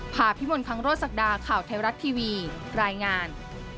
พาพิมลคังโรศักดาข่าวไทยรัฐทีวีรายงาน